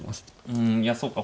うんいやそうか